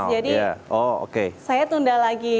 jadi saya tunda lagi